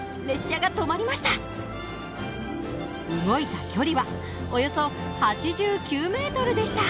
動いた距離はおよそ８９ｍでした。